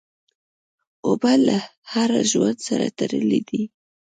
اوبه له هر ژوند سره تړلي دي.